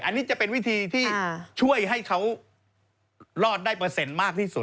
อันนี้จะเป็นวิธีที่ช่วยให้เขารอดได้เปอร์เซ็นต์มากที่สุด